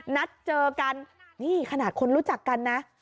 นัดเจอกันนี่ขนาดคนรู้จักกันนะ